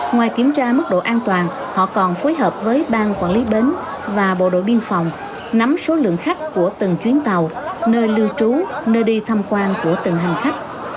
ngoài kiểm tra mức độ an toàn họ còn phối hợp với bang quản lý bến và bộ đội biên phòng nắm số lượng khách của từng chuyến tàu nơi lưu trú nơi đi thăm quan của từng hành khách